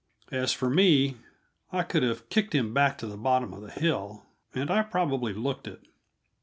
As for me, I could have kicked him back to the bottom of the hill and I probably looked it.